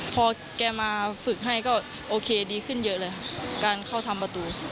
พอแกมาฝึกให้ก็โอเคดีขึ้นเยอะเลยค่ะการเข้าทำประตู